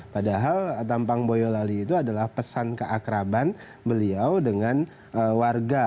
padahal tampang boyolali itu adalah pesan keakraban beliau dengan warga